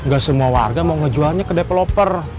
gak semua warga mau ngejualnya ke developer